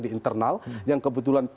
di internal yang kebetulan